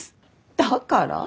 だから？